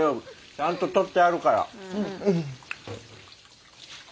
ちゃんと取ってあるから。